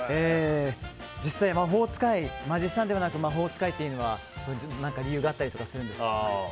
実際、マジシャンではなく魔法使いというのは理由があったりするんですか？